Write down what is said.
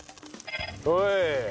おい！